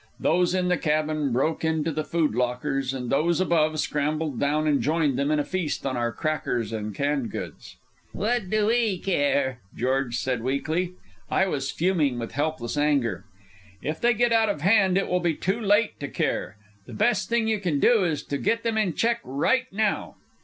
Those in the cabin broke into the food lockers, and those above scrambled down and joined them in a feast on our crackers and canned goods. "What do we care?" George said weakly. I was fuming with helpless anger. "If they get out of hand, it will be too late to care. The best thing you can do is to get them in check right now."